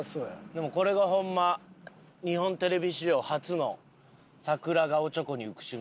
でもこれがホンマ日本テレビ史上初の桜がおちょこに浮く瞬間。